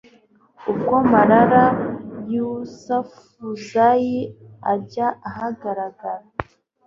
ubwo malala yusafuzayi ajya ahagaragara